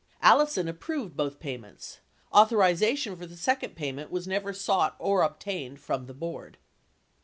Allison approved both payments ; authorization for the second payment was never sought or obtained from the board.